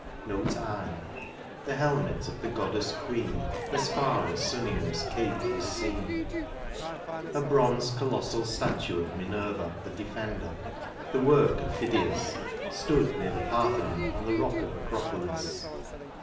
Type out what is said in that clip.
Nora I. '* The helmet of the goddeee queen Am far ae 8umum*9 eape woe teen" A bronze colossal statue of Minerva, the defender, the work of Phidias, stood near the Parthenon on the rock of the Acropolis.